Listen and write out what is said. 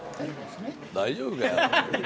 大丈夫かよ。